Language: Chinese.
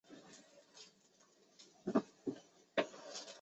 量子密钥分发是利用量子力学特性实现密码协议的方法。